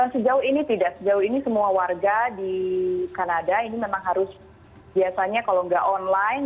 sejauh ini tidak sejauh ini semua warga di kanada ini memang harus biasanya kalau nggak online